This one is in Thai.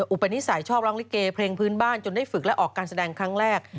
อุปนิสัยชอบร้องลิเกเพลงพื้นบ้านจนได้ฝึกและออกการแสดงครั้งแรก